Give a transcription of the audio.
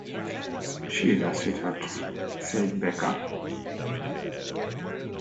She is a sweetheart, said Baker.